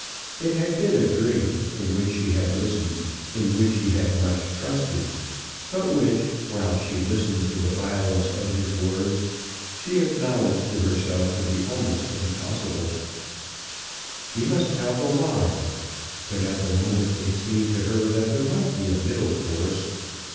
It had been a dream, in which she had much trusted, but which, while she listened to the violence of his words, she acknowledged to herself to be almost impossible. She must tell the lie; but at the moment it seemed to her that there might be a middle course.